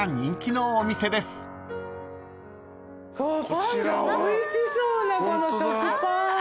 パンがおいしそうこの食パン。